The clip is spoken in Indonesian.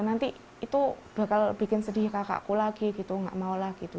nanti itu bakal bikin sedih kakakku lagi gitu gak mau lah gitu